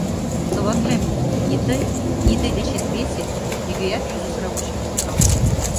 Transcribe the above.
— Товатлем — ни тый, ни тый дечет весе, нигӧат юзо сравочым ок нал.